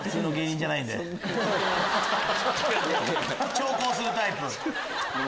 長考するタイプ？